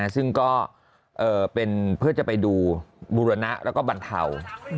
ซึ่งก็เป็นเพื่อจะไปดูบูรณะแล้วก็บรรเทา